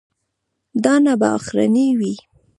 دا نه به اخرنی وي.